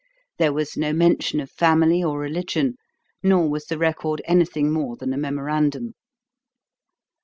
There was no mention of family or religion, nor was the record anything more than a memorandum.